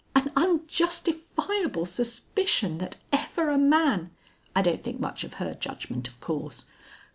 "An unjustifiable suspicion that ever a man " ("I don't think much of her judgment, of course.")